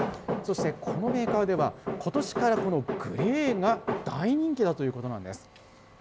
そして、このメーカーでは、ことしから、このグレーが大人気だということなんです。